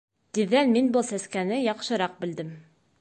Тиҙҙән мин был сәскәне яҡшыраҡ белдем.